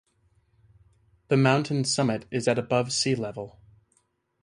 The mountain's summit is at above sea level.